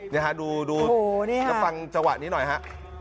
นี่ฮะดูแล้วฟังจังหวะนี้หน่อยฮะ